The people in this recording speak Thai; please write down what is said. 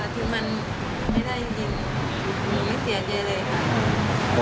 ถึงมันไม่ได้จริง